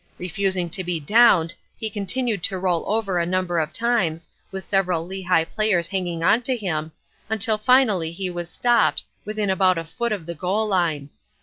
Refusing to be downed, he continued to roll over a number of times, with several Lehigh players hanging on to him, until finally he was stopped, within about a foot of the goal line.